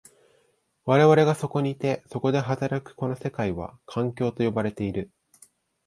我々がそこにいて、そこで働くこの世界は、環境と呼ばれている。